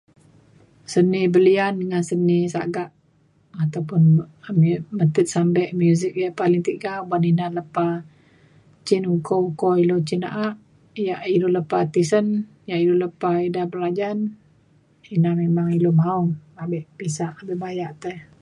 seni belian ngan seni sagak ataupun mu- metit sampe muzik yak paling tiga uban ina lepa cin uko uko lu cin na’a yak ilu lepa tisen yak ilu lepa ida belajan ina memang ilu maong abe pisah abe bayak te